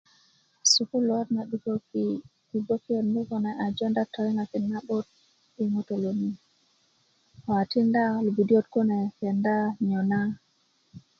sukuluwat na duköki' yi gbokiyot ni kune a jounda toyiŋakin na'but i ŋutulu ni wo a tinda a lu'budiyöt kune kenda nyona